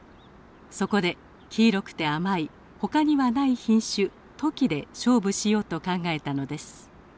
そこで黄色くて甘いほかにはない品種トキで勝負しようと考えたのです。